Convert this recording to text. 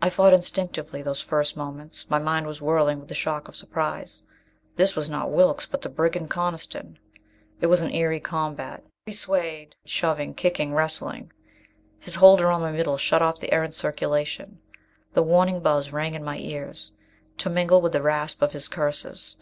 I fought instinctively, those first moments; my mind was whirling with the shock of surprise. This was not Wilks, but the brigand Coniston. It was an eerie combat. We swayed; shoving, kicking, wrestling. His hold around my middle shut off the Erentz circulation; the warning buzz rang in my ears, to mingle with the rasp of his curses.